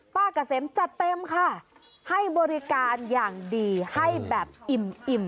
กะเสมจัดเต็มค่ะให้บริการอย่างดีให้แบบอิ่ม